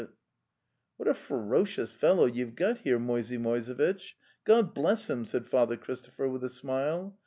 204 The Tales of Chekhov "What a ferocious fellow you've got here, Moisey Moisevitch! God bless him!" said Father Christopher with a smile.